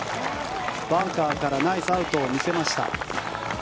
バンカーからナイスアウトを見せました。